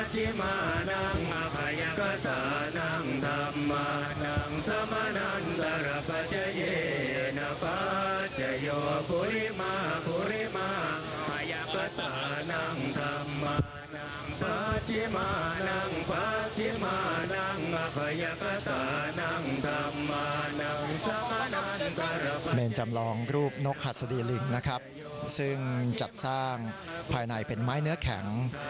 เป็นจำลองรูปนกหัสดีลิงนะครับซึ่งจัดสร้างภายในเป็นไม้เนื้อแข็ง